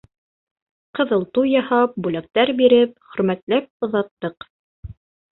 Ҡыҙыл туй яһап, бүләктәр биреп, хөрмәтләп оҙаттыҡ.